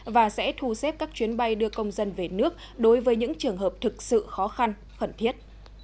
và sẽ thu xếp các chuyến bay đưa công dân về nước đối với những trường hợp thực sự khó khăn khẩn thiết